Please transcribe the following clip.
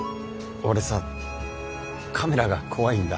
俺さカメラが怖いんだ。